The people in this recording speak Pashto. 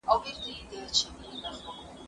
زه مخکي زدکړه کړې وه!.